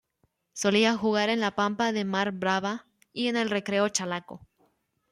Solía jugar en la Pampa de Mar Brava y en el Recreo Chalaco.